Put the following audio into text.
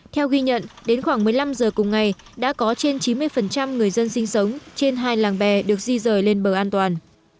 theo ghi nhận đến khoảng một mươi năm giờ cùng ngày đã có trên chín mươi người dân sinh sống trên hai làng bè được di rời lên bờ an toàn